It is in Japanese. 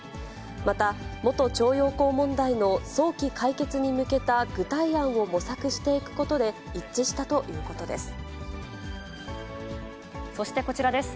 また、元徴用工問題の早期解決に向けた具体案を模索していくことで一致そしてこちらです。